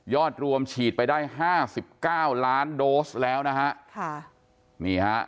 ยอดรวมฉีดไปได้๕๙ล้านโดสแล้วนะฮะ